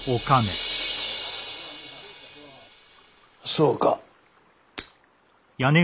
そうか。